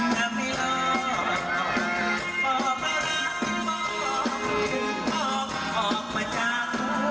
สวายทาง